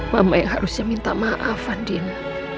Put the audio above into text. mama yang harusnya minta maaf andin